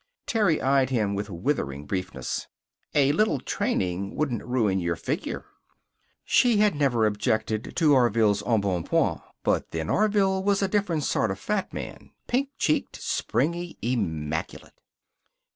Terry eyed him with withering briefness. "A little training wouldn't ruin your figure." She had never objected to Orville's embonpoint. But then, Orville was a different sort of fat man; pink cheeked, springy, immaculate.